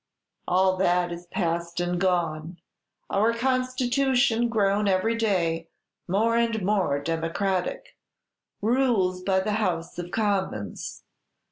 All that is past and gone; our Constitution, grown every day more and more democratic, rules by the House of Commons.